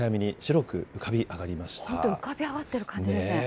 本当、浮かび上がってる感じですね。